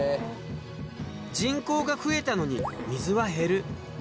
人口が増えたのに水は減る。